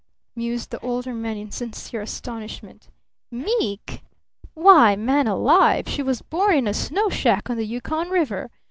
mused the Older Man in sincere astonishment. "Meek? Why, man alive, she was born in a snow shack on the Yukon River!